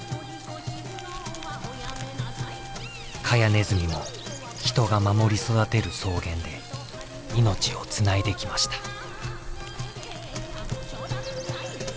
カヤネズミも人が守り育てる草原で命をつないできました。